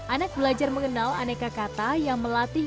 anak belajar mengenal aneka kata yang melatih